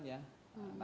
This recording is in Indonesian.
dan juga pengadilannya